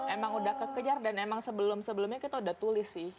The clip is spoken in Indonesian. emang udah kekejar dan emang sebelum sebelumnya kita udah tulis sih